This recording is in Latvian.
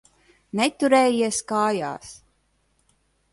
Neturējies kājās.